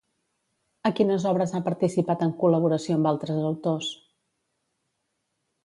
A quines obres ha participat en col·laboració amb altres autors?